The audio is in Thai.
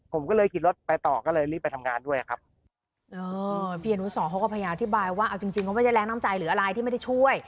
ผมก็เลยขี่รถไปต่อก็เลยรีบไปทำงานด้วยครับเออพี่อนุสรเขาก็พยายามอธิบายว่าเอาจริงจริงก็ไม่ใช่แรงน้ำใจหรืออะไรที่ไม่ได้ช่วย